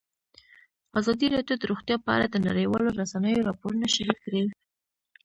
ازادي راډیو د روغتیا په اړه د نړیوالو رسنیو راپورونه شریک کړي.